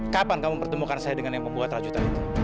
kapan kamu mempertemukan saya dengan yang membuat rajutan itu